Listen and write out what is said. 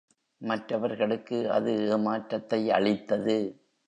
மற்றவர்களுக்கு அது ஏமாற்றத்தை அளித்தது.